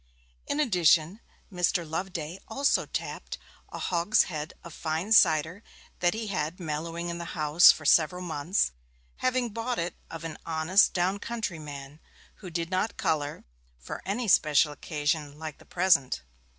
In addition, Mr. Loveday also tapped a hogshead of fine cider that he had had mellowing in the house for several months, having bought it of an honest down country man, who did not colour, for any special occasion like the present.